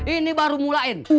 ini baru mulain